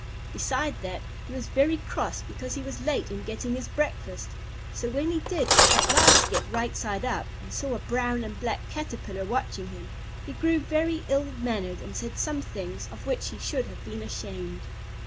Beside that, he was very cross because he was late in getting his breakfast, so when he did at last get right side up, and saw a brown and black Caterpillar watching him, he grew very ill mannered, and said some things of which he should have been ashamed.